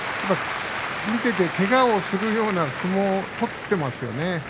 見ていてけがをするような相撲を取っていますよね。